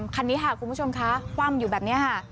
คันนี้ค่ะคุณผู้ชมคะคว่ำอยู่แบบนี้ค่ะ